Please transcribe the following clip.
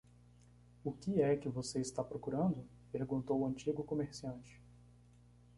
"O que é que você está procurando?" perguntou o antigo comerciante.